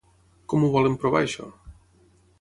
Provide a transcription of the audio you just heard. Com ho volen provar això?